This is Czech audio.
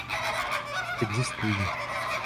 A ty existují.